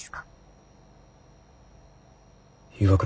岩倉。